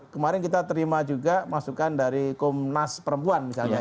kemarin kita terima juga masukan dari komnas perempuan misalnya